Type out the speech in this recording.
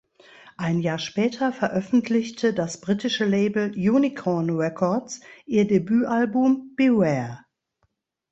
Ein Jahr später veröffentlichte das britische Label "Unicorn Records" ihr Debütalbum "Beware.